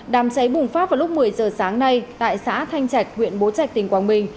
đám cháy bùng phát vào lúc một mươi giờ sáng nay tại xã thanh trạch huyện bố trạch tỉnh quảng bình